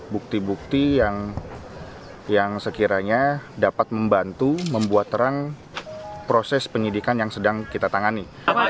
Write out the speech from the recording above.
bukti bukti yang sekiranya dapat membantu membuat terang proses penyidikan yang sedang kita tangani